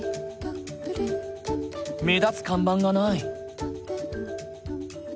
目立つ看板がない。